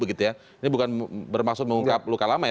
ini bukan bermaksud mengungkap luka lama ya